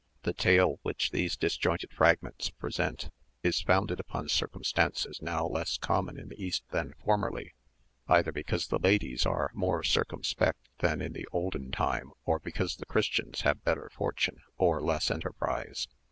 The tale which these disjointed fragments present, is founded upon circumstances now less common in the East than formerly; either because the ladies are more circumspect than in the "olden time," or because the Christians have better fortune, or less enterprise.